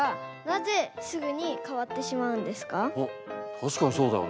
確かにそうだよな。